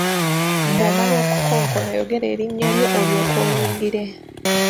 Bw’omala okukonkona yogera erinnya lyo olyoke oyingire.